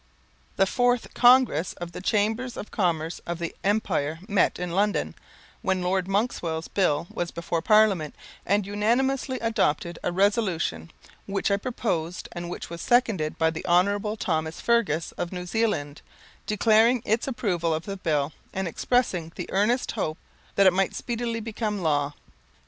The fourth Congress of the Chambers of Commerce of the Empire met in London, when Lord Monkswell's bill was before Parliament, and unanimously adopted a resolution, which I proposed and which was seconded by the Honourable Thomas Fergus, of New Zealand, declaring its approval of the bill and expressing the earnest hope that it might speedily become law.